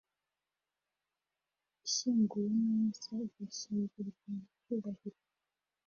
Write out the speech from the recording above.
ishyinguye neza igashyingurwa mu cyubahiro